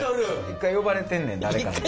一回呼ばれてんねん誰かに。